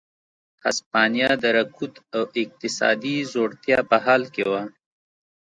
هسپانیا د رکود او اقتصادي ځوړتیا په حال کې وه.